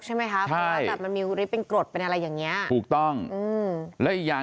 ใช่ไหมคะมันมีเป็นกรดเป็นอะไรอย่างนี้ถูกต้องแล้วอีกอย่าง